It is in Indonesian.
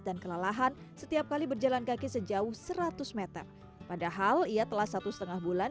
dan kelelahan setiap kali berjalan kaki sejauh seratus m padahal ia telah satu setengah bulan